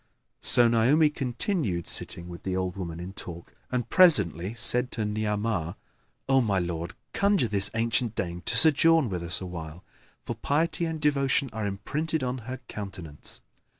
"[FN#8] So Naomi continued sitting with the old woman in talk and presently said to Ni'amah, "O my lord, conjure this ancient dame to sojourn with us awhile, for piety and devotion are imprinted on her countenance."